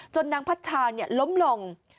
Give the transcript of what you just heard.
จนนางพัชชานี่ล้มลง